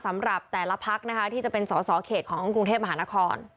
สำหรับแต่ละพักนะคะที่จะเป็นสอสอเขตของกรุงเทพมหานคร